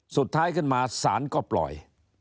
สุดท้ายขึ้นมาศาลก็ปล่อย